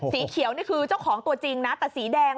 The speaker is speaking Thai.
สีเขียวนี่คือเจ้าของตัวจริงนะแต่สีแดง